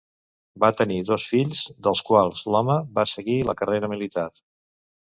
Va tenir dos fills, dels quals l'home va seguir la carrera militar.